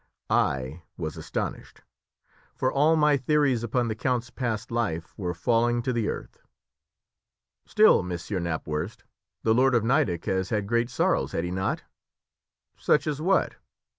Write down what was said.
I was astonished; for all my theories upon the count's past life were falling to the earth. "Still, Monsieur Knapwurst, the lord of Nideck has had great sorrows, had he not?" "Such as what?"